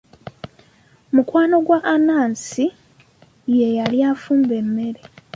Mukwano gwa Anansi ye yali afumba emmere.